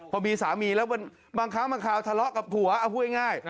พอมีสามีแล้วบางครั้งบางคราวทะเลาะกับผัวเอาพูดง่าย